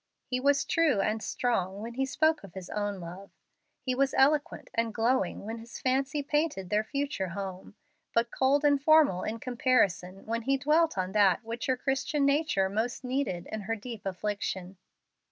He was true and strong when he spoke of his own love. He was eloquent and glowing when his fancy painted their future home, but cold and formal in comparison when he dwelt on that which her Christian nature most needed in her deep affliction.